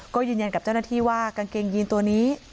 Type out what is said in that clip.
ก็ยืนยันกับเจ้าหน้าที่ว่ากางเกงยีนตัวนี้